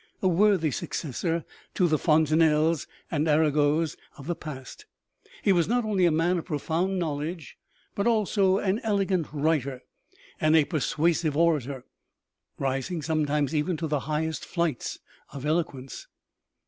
A worthy successor to the Fontenelles and Aragos of the past, he was not only a man of profound knowledge, but also an elegant writer and a persuasive orator, rising some times even to the highest flights of eloquence.